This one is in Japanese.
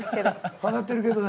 わかってるけどな。